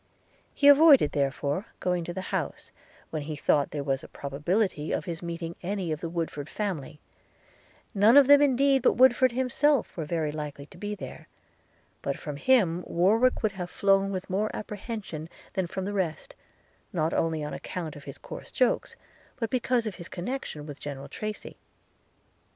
He avoided, therefore, going to the house, when he thought there was a probability of his meeting any of the Woodford family; none of them indeed but Woodford himself were very likely to be there; but from him Warwick would have flown with more apprehension than from the rest, not only on account of his coarse jokes, but because of his connection with General Tracy.